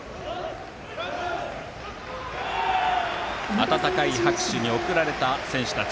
温かい拍手に送られた選手たち。